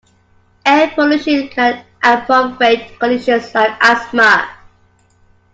Air pollution can aggravate conditions like Asthma.